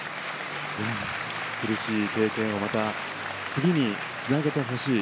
苦しい経験をまた次につなげてほしい。